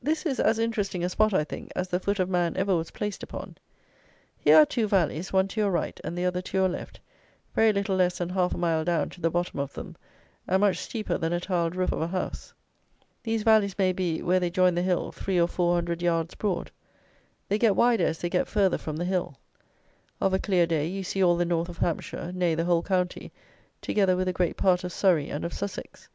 This is as interesting a spot, I think, as the foot of man ever was placed upon. Here are two valleys, one to your right and the other to your left, very little less than half a mile down to the bottom of them, and much steeper than a tiled roof of a house. These valleys may be, where they join the hill, three or four hundred yards broad. They get wider as they get farther from the hill. Of a clear day you see all the north of Hampshire; nay, the whole county, together with a great part of Surrey and of Sussex.